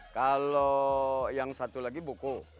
kalau yang satu lagi buku